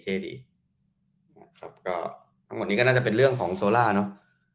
นะครับก็ทั้งหมดนี้ก็น่าจะเป็นเรื่องของโซล่าเนอะ